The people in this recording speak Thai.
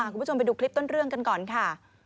คุณผู้ชมไปดูคลิปต้นเรื่องกันก่อนค่ะ